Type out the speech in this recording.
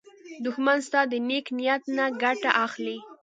دښمن ستا د نېک نیت نه ګټه اخلي